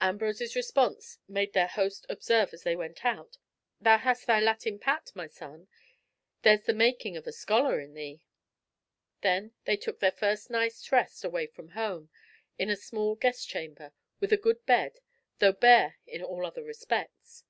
Ambrose's responses made their host observe as they went out, "Thou hast thy Latin pat, my son, there's the making of a scholar in thee." Then they took their first night's rest away from home, in a small guest chamber, with a good bed, though bare in all other respects.